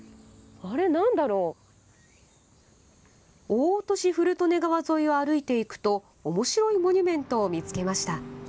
大落古利根川沿いを歩いて行くとおもしろいモニュメントを見つけました。